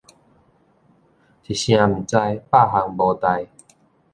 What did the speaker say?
一聲毋知，百項無代